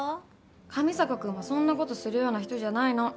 上坂君はそんなことするような人じゃないの。